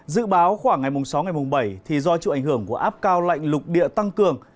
dự báo khoảng ngày mùng sáu ngày mùng bảy thì do trụ ảnh hưởng của áp cao lạnh lục địa tăng cường